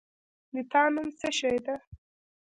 د تا نوم څه شی ده؟